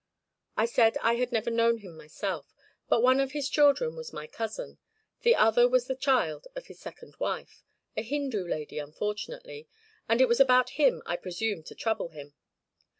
I said I had never known him myself, but one of his children was my cousin; the other was the child of his second wife, a Hindoo lady unfortunately, and it was about him I presumed to trouble him.